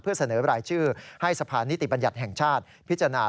เพื่อเสนอรายชื่อให้สะพานนิติบัญญัติแห่งชาติพิจารณา